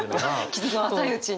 傷の浅いうちに。